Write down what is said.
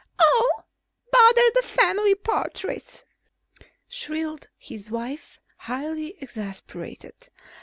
"Oh, bother the family portraits!" shrilled his wife, highly exasperated.